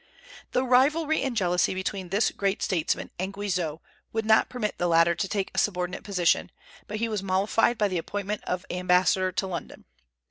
The rivalry and jealousy between this great statesman and Guizot would not permit the latter to take a subordinate position, but he was mollified by the appointment of ambassador to London.